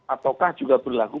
ataukah juga berlaku